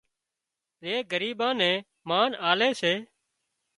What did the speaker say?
زي ڳريٻان نين مانَ آلي سي